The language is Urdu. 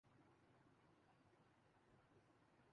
کہاں جائیں گی اور کیا احساسات ہیں